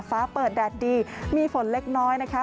ฟ้าเปิดแดดดีมีฝนเล็กน้อยนะคะ